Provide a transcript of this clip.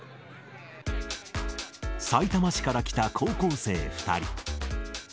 さいたま市から来た高校生２人。